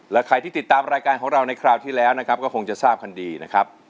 และใครที่ติดตามรายการของเราในคราวที่แล้วนะครับก็คงจะทราบกันดีนะครับ